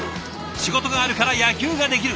仕事があるから野球ができる。